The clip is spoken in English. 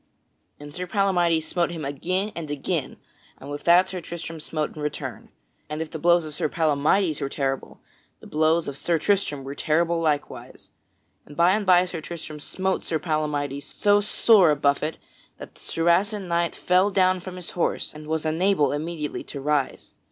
And Sir Palamydes smote him again and again; and with that Sir Tristram smote in return. And if the blows of Sir Palamydes were terrible, the blows of Sir Tristram were terrible likewise. Then by and by Sir Tristram smote Sir Palamydes so sore a buffet that the Saracen knight fell down from his horse and was unable immediately to arise.